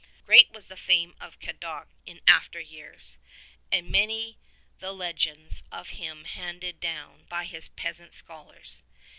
Great was the fame of Cadoc in after years, and many the legends of him handed down by his peasant scholars.